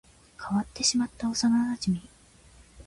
変わってしまった幼馴染